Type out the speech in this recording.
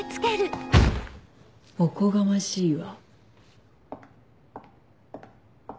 おこがましいわ。